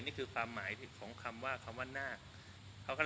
นี่คือความหมายของคำว่าคำว่านาค